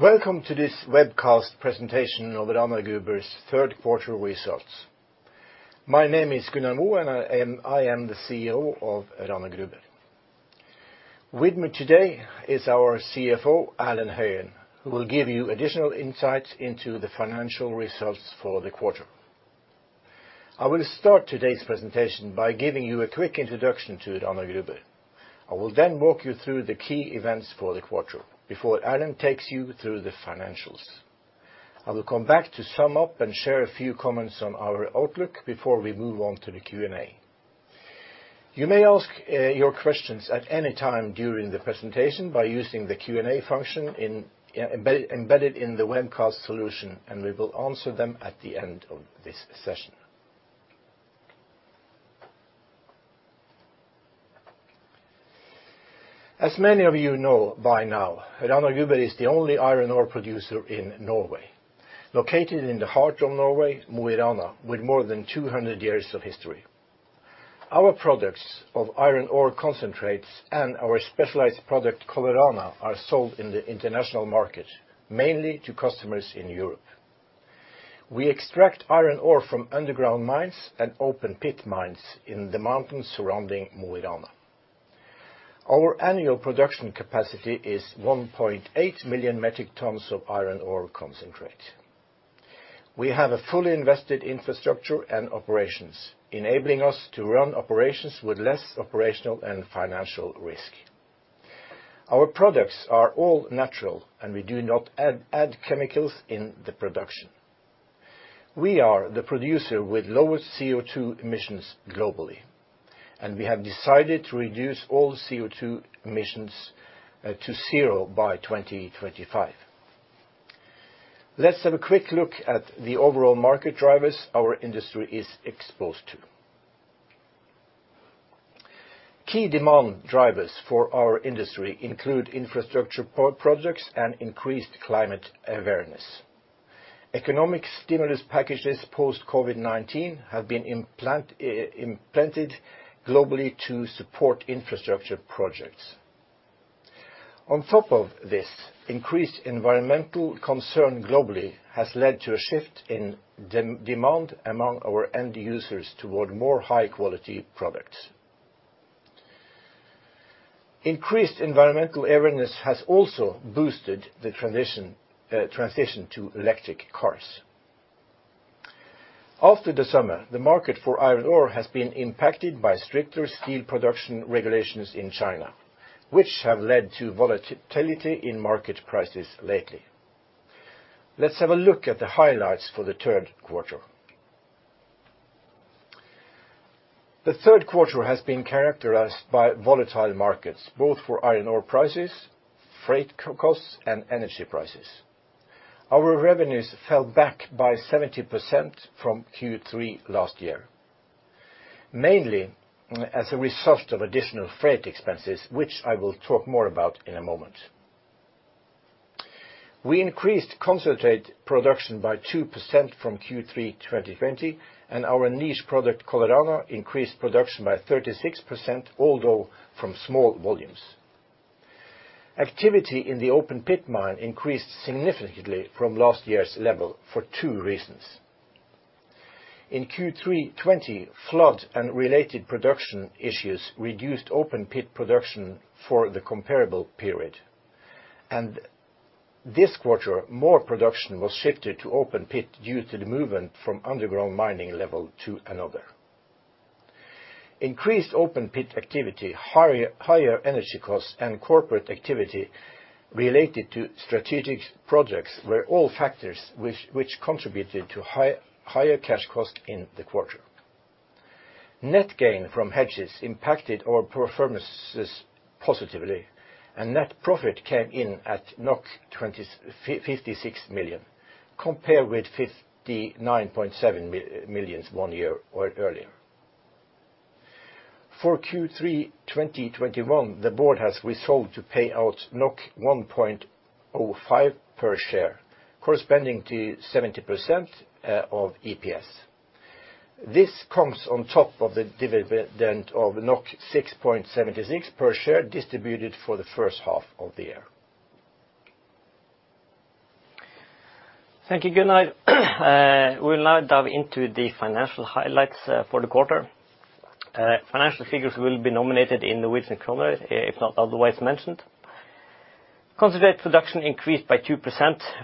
Welcome to this webcast presentation of Rana Gruber's Third Quarter Results. My name is Gunnar Moe, and I am the CEO of Rana Gruber. With me today is our CFO, Erlend Høyen, who will give you additional insight into the financial results for the quarter. I will start today's presentation by giving you a quick introduction to Rana Gruber. I will then walk you through the key events for the quarter before Erlend takes you through the financials. I will come back to sum up and share a few comments on our outlook before we move on to the Q&A. You may ask your questions at any time during the presentation by using the Q&A function embedded in the webcast solution, and we will answer them at the end of this session. As many of you know by now, Rana Gruber is the only iron ore producer in Norway, located in the heart of Norway, Mo i Rana, with more than 200 years of history. Our products of iron ore concentrates and our specialized product, Colorana, are sold in the international market, mainly to customers in Europe. We extract iron ore from underground mines and open pit mines in the mountains surrounding Mo i Rana. Our annual production capacity is 1.8 million metric tons of iron ore concentrate. We have a fully invested infrastructure and operations, enabling us to run operations with less operational and financial risk. Our products are all natural, and we do not add chemicals in the production. We are the producer with lowest CO2 emissions globally, and we have decided to reduce all CO2 emissions to zero by 2025. Let's have a quick look at the overall market drivers our industry is exposed to. Key demand drivers for our industry include infrastructure projects and increased climate awareness. Economic stimulus packages post-COVID-19 have been implemented globally to support infrastructure projects. On top of this, increased environmental concern globally has led to a shift in demand among our end users toward more high-quality products. Increased environmental awareness has also boosted the transition to electric cars. After the summer, the market for iron ore has been impacted by stricter steel production regulations in China, which have led to volatility in market prices lately. Let's have a quick look at the highlights for the third quarter. The third quarter has been characterized by volatile markets, both for iron ore prices, freight costs, and energy prices. Our revenues fell back by 70% from Q3 last year, mainly as a result of additional freight expenses, which I will talk more about in a moment. We increased concentrate production by 2% from Q3 2020, and our niche product, Colorana, increased production by 36%, although from small volumes. Activity in the open pit mine increased significantly from last year's level for two reasons. In Q3 2020, flood and related production issues reduced open pit production for the comparable period. This quarter, more production was shifted to open pit due to the movement from underground mining level to another. Increased open pit activity, higher energy costs, and corporate activity related to strategic projects were all factors which contributed to higher cash costs in the quarter. Net gain from hedges impacted our performances positively, and net profit came in at 256 million, compared with 59.7 million one year earlier. For Q3 2021, the board has resolved to pay out 1.05 per share, corresponding to 70% of EPS. This comes on top of the dividend of 6.76 per share distributed for the first half of the year. Thank you, Gunnar. We'll now dive into the financial highlights for the quarter. Financial figures will be nominated in the Norwegian kroner if not otherwise mentioned. Concentrate production increased by 2%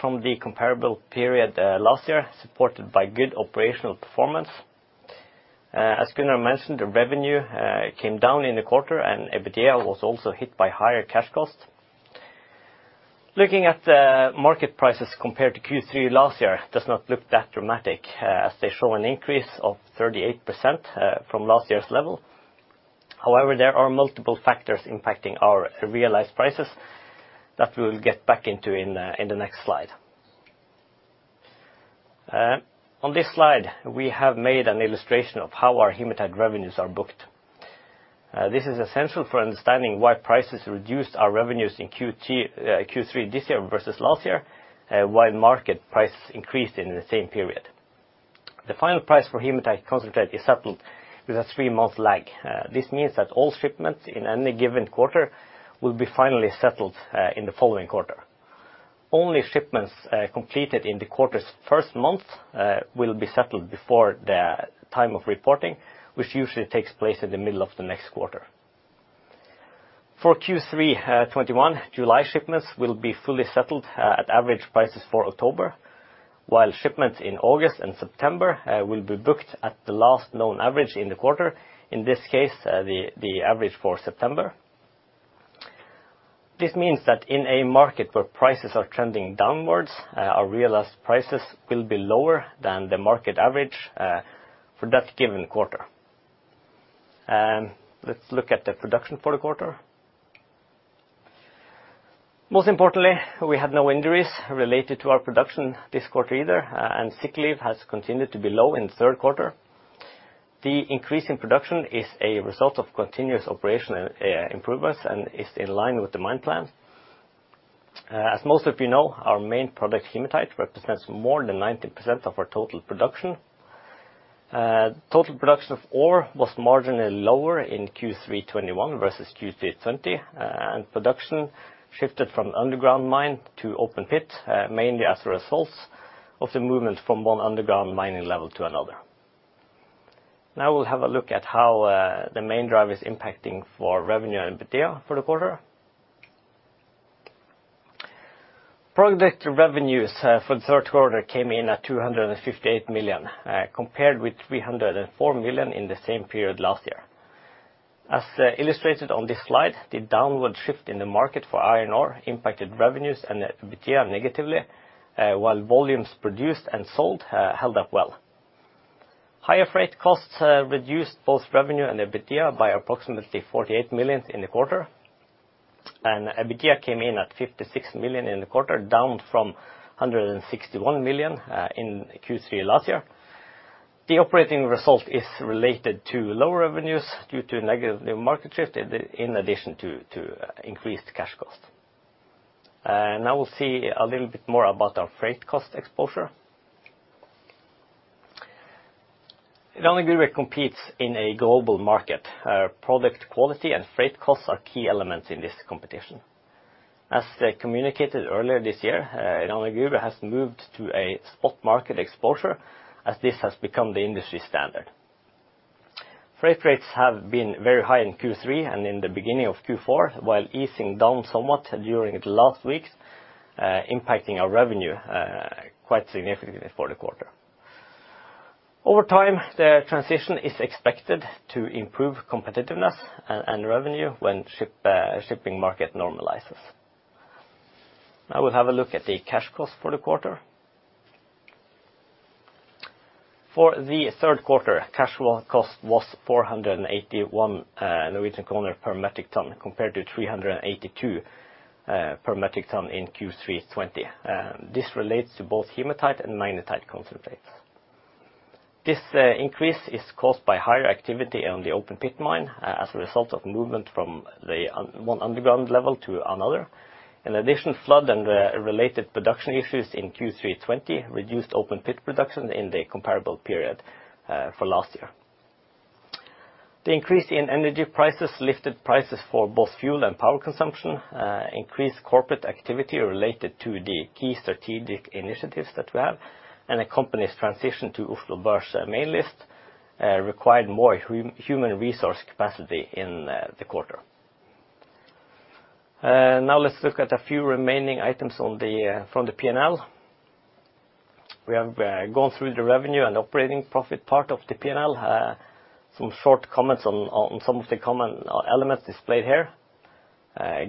from the comparable period last year, supported by good operational performance. As Gunnar mentioned, the revenue came down in the quarter and EBITDA was also hit by higher cash costs. Looking at the market prices compared to Q3 last year does not look that dramatic as they show an increase of 38% from last year's level. However, there are multiple factors impacting our realized prices that we'll get back into in the next slide. On this slide, we have made an illustration of how our hematite revenues are booked. This is essential for understanding why prices reduced our revenues in Q3 this year versus last year, while market prices increased in the same period. The final price for hematite concentrate is settled with a three-month lag. This means that all shipments in any given quarter will be finally settled in the following quarter. Only shipments completed in the quarter's first month will be settled before the time of reporting, which usually takes place in the middle of the next quarter. For Q3 2021, July shipments will be fully settled at average prices for October, while shipments in August and September will be booked at the last known average in the quarter, in this case, the average for September. This means that in a market where prices are trending downwards, our realized prices will be lower than the market average, for that given quarter. Let's look at the production for the quarter. Most importantly, we had no injuries related to our production this quarter either, and sick leave has continued to be low in the third quarter. The increase in production is a result of continuous operational, improvements and is in line with the mine plan. As most of you know, our main product, hematite, represents more than 90% of our total production. Total production of ore was marginally lower in Q3 2021 versus Q3 2020, and production shifted from underground mine to open pit, mainly as a result of the movement from one underground mining level to another. Now we'll have a look at how the main driver is impacting revenue and EBITDA for the quarter. Product revenues for the third quarter came in at 258 million, compared with 304 million in the same period last year. As illustrated on this slide, the downward shift in the market for iron ore impacted revenues and the EBITDA negatively, while volumes produced and sold held up well. Higher freight costs reduced both revenue and EBITDA by approximately 48 million in the quarter, and EBITDA came in at 56 million in the quarter, down from 161 million in Q3 last year. The operating result is related to lower revenues due to negative market shift, in addition to increased cash costs. Now we'll see a little bit more about our freight cost exposure. Rana Gruber competes in a global market. Product quality and freight costs are key elements in this competition. As they communicated earlier this year, Rana Gruber has moved to a spot market exposure as this has become the industry standard. Freight rates have been very high in Q3 and in the beginning of Q4, while easing down somewhat during the last weeks, impacting our revenue quite significantly for the quarter. Over time, the transition is expected to improve competitiveness and revenue when shipping market normalizes. Now we'll have a look at the cash costs for the quarter. For the third quarter, cash cost was NOK 481 per metric ton, compared to NOK 382 per metric ton in Q3 2020. This relates to both hematite and magnetite concentrates. This increase is caused by higher activity on the open pit mine as a result of movement from one underground level to another. In addition, flood and the related production issues in Q3 2020 reduced open pit production in the comparable period for last year. The increase in energy prices lifted prices for both fuel and power consumption, increased corporate activity related to the key strategic initiatives that we have, and the company's transition to Oslo Børs main list required more human resource capacity in the quarter. Now let's look at a few remaining items from the P&L. We have gone through the revenue and operating profit part of the P&L. Some short comments on some of the common elements displayed here.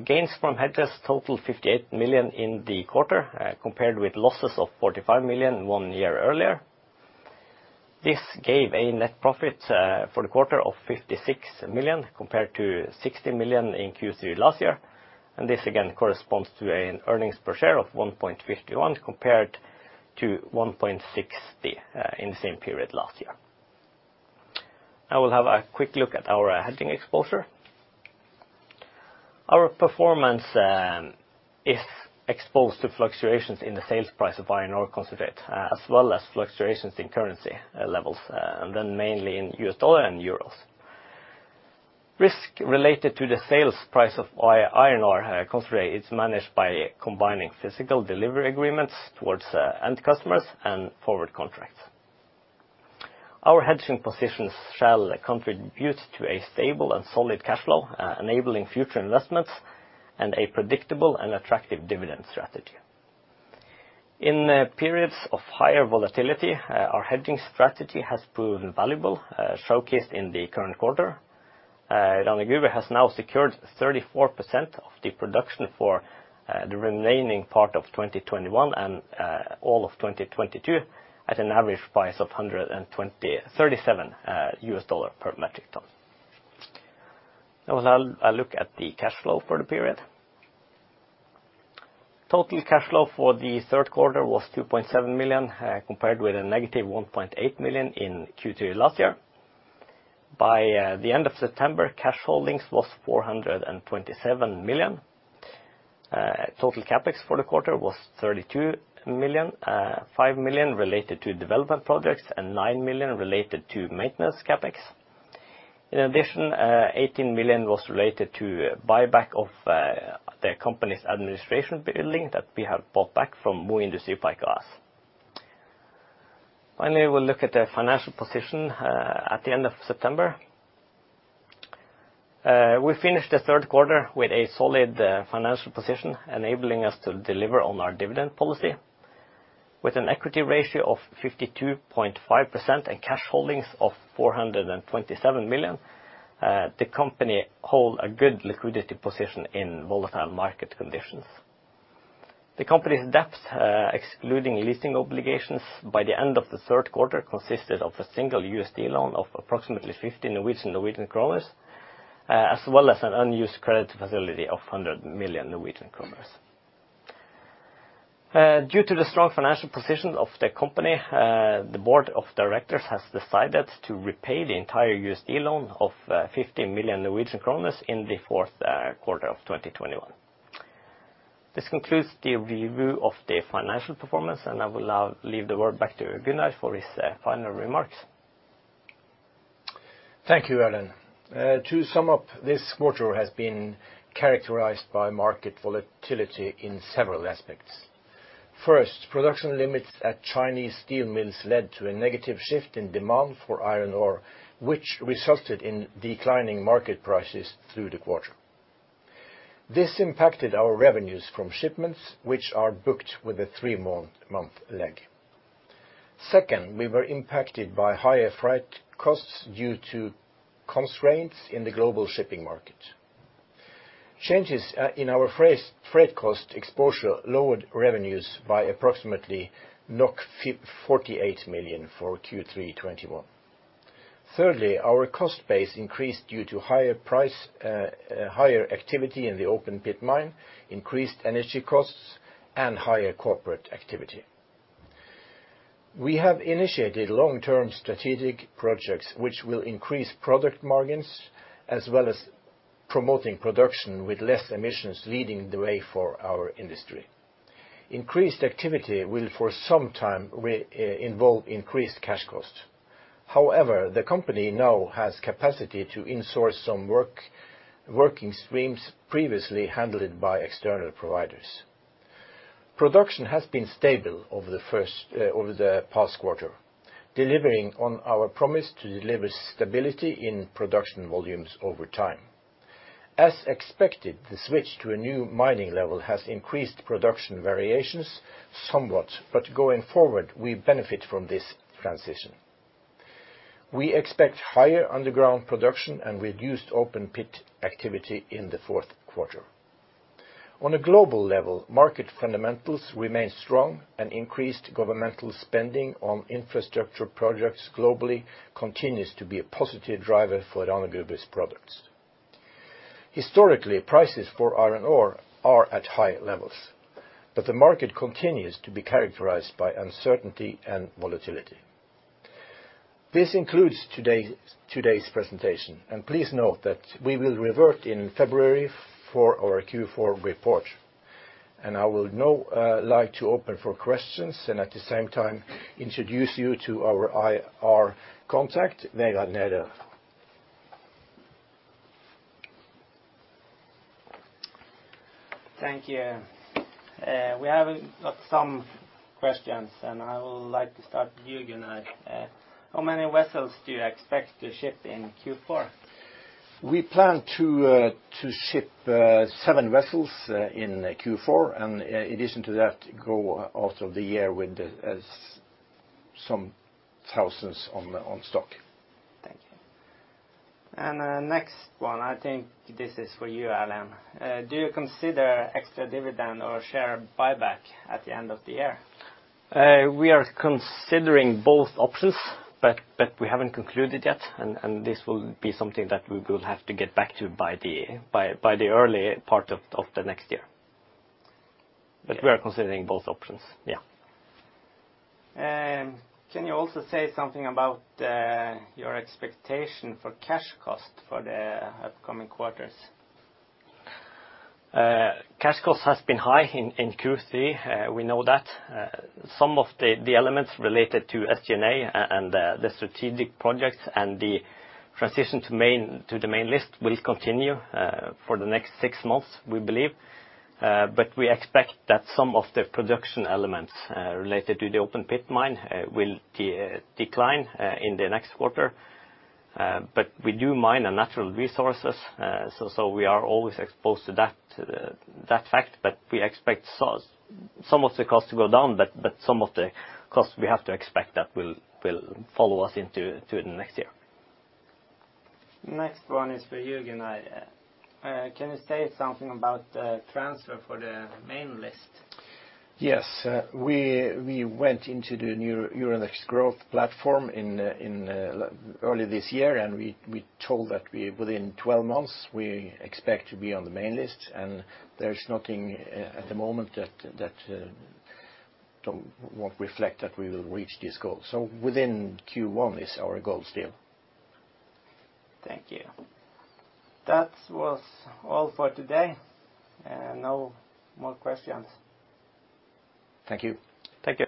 Gains from hedges totaled 58 million in the quarter, compared with losses of 45 million one year earlier. This gave a net profit for the quarter of 56 million compared to 60 million in Q3 last year. This again corresponds to an earnings per share of 1.51 compared to 1.60 in the same period last year. Now we'll have a quick look at our hedging exposure. Our performance is exposed to fluctuations in the sales price of iron ore concentrate, as well as fluctuations in currency levels, then mainly in US dollar and euros. Risk related to the sales price of iron ore concentrate is managed by combining physical delivery agreements towards end customers and forward contracts. Our hedging positions shall contribute to a stable and solid cash flow, enabling future investments and a predictable and attractive dividend strategy. In periods of higher volatility, our hedging strategy has proven valuable, showcased in the current quarter. Rana Gruber has now secured 34% of the production for the remaining part of 2021 and all of 2022 at an average price of $123.37 per metric ton. Now I'll look at the cash flow for the period. Total cash flow for the third quarter was 2.7 million compared with a negative 1.8 million in Q3 last year. By the end of September, cash holdings was 427 million. Total CapEx for the quarter was 32 million. Five million related to development projects and nine million related to maintenance CapEx. In addition, eighteen million was related to buyback of the company's administration building that we have bought back from Mo Industripark. Finally, we'll look at the financial position at the end of September. We finished the third quarter with a solid financial position enabling us to deliver on our dividend policy. With an equity ratio of 52.5% and cash holdings of 427 million, the company hold a good liquidity position in volatile market conditions. The company's debts, excluding leasing obligations by the end of the third quarter consisted of a single USD loan of approximately 50 million Norwegian kroner, as well as an unused credit facility of 100 million Norwegian kroner. Due to the strong financial position of the company, the board of directors has decided to repay the entire USD loan of 50 million Norwegian kroner in the fourth quarter of 2021. This concludes the review of the financial performance, and I will now hand the word back to Gunnar for his final remarks. Thank you, Erlend. To sum up, this quarter has been characterized by market volatility in several aspects. First, production limits at Chinese steel mills led to a negative shift in demand for iron ore, which resulted in declining market prices through the quarter. This impacted our revenues from shipments, which are booked with a three-month lag. Second, we were impacted by higher freight costs due to constraints in the global shipping market. Changes in our freight cost exposure lowered revenues by approximately 48 million for Q3 2021. Thirdly, our cost base increased due to higher price, higher activity in the open pit mine, increased energy costs, and higher corporate activity. We have initiated long-term strategic projects which will increase product margins as well as promoting production with less emissions leading the way for our industry. Increased activity will for some time involve increased cash costs. However, the company now has capacity to insource some work, working streams previously handled by external providers. Production has been stable over the past quarter, delivering on our promise to deliver stability in production volumes over time. As expected, the switch to a new mining level has increased production variations somewhat, but going forward, we benefit from this transition. We expect higher underground production and reduced open pit activity in the fourth quarter. On a global level, market fundamentals remain strong and increased governmental spending on infrastructure projects globally continues to be a positive driver for Rana Gruber's products. Historically, prices for iron ore are at high levels, but the market continues to be characterized by uncertainty and volatility. This concludes today's presentation, and please note that we will revert in February for our Q4 report. I would now like to open for questions and at the same time introduce you to our IR contact, Vegard Nerdal. Thank you. We have some questions, and I would like to start with you, Gunnar. How many vessels do you expect to ship in Q4? We plan to ship seven vessels in Q4 and in addition to that, go out of the year with some thousands on stock. Thank you. Next one, I think this is for you, Erlend. Do you consider extra dividend or share buyback at the end of the year? We are considering both options, but we haven't concluded yet. This will be something that we will have to get back to by the early part of the next year. We are considering both options, yeah. Can you also say something about your expectation for cash costs for the upcoming quarters? Cash costs has been high in Q3, we know that. Some of the elements related to SG&A and the strategic projects and the transition to the main list will continue for the next six months, we believe. We expect that some of the production elements related to the open pit mine will decline in the next quarter. We do mine on natural resources, so we are always exposed to that fact. We expect some of the costs to go down, but some of the costs we have to expect that will follow us into the next year. Next one is for Gunnar. Can you say something about the transfer for the main list? Yes. We went into the new Euronext Growth platform in early this year, and we told that within 12 months we expect to be on the main list. There's nothing at the moment that won't reflect that we will reach this goal. Within Q1 is our goal still. Thank you. That was all for today. No more questions. Thank you. Thank you.